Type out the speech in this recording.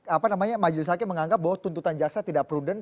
apa namanya majelis hakim menganggap bahwa tuntutan jaksa tidak prudent